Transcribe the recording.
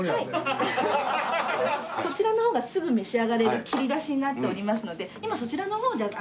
こちらの方がすぐ召し上がれる切り出しになっておりますので今そちらの方をじゃあ。